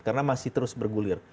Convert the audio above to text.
karena masih terus bergulir